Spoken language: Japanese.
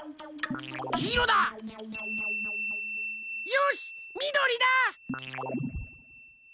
よしみどりだ！